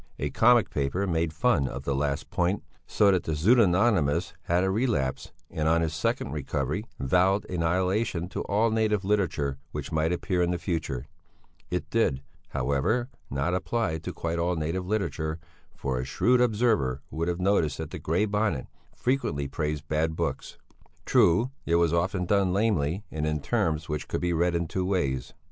A comic paper made fun of the last point, so that the "pseudonymus" had a relapse, and, on his second recovery, vowed annihilation to all native literature which might appear in future; it did, however, not apply to quite all native literature, for a shrewd observer would have noticed that the Grey Bonnet frequently praised bad books; true, it was often done lamely and in terms which could be read in two ways.